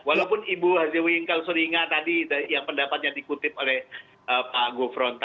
walaupun ibu hj winkal seringah tadi yang pendapatnya dikutip oleh pak gufron tadi